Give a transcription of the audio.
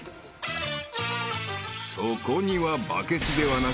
［そこにはバケツではなく］